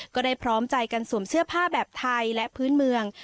ก็ได้พร้อมใจกันสวมเสื้อผ้าแบบไทยและพื้นเมือง